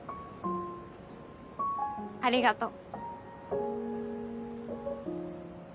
ありがとう。